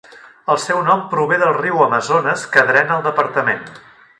El seu nom prové del riu Amazones que drena el departament.